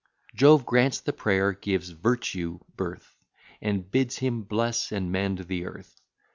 Jove grants the prayer, gives Virtue birth, And bids him bless and mend the earth.